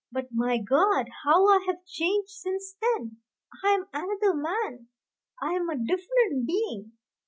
But, my God, how I have changed since then! I am another man, I am a different being.